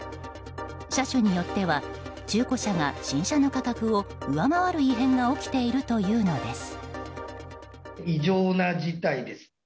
車種によっては、中古車が新車の価格を上回る異変が起きているというのです。